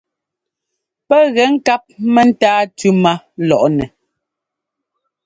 Pɛ́ gɛ ŋkáp mɛ́táa tʉ́ má lɔʼnɛ.